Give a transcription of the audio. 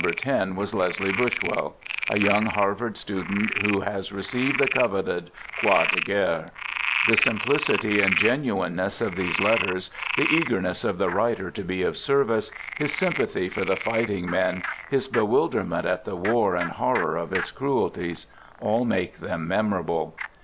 10 " was Leslie Buswell, a young Harvard student, who has received the coveted Croix de Guerre, The simplicity and genuineness of these letters, the eagerness of the writer to be of service, his sym pathy for the fighting men, his bewilderment at the war and horror of its cruelties — all make them memorable.